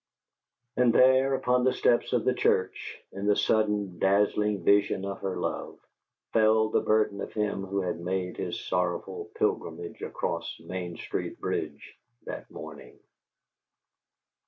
And there, upon the steps of the church, in the sudden, dazzling vision of her love, fell the burden of him who had made his sorrowful pilgrimage across Main Street bridge that morning.